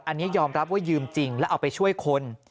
อันนี้ยอมรับว่ายืมจริงแล้วเอาไปช่วยคน